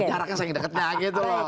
jaraknya saling dekatnya gitu loh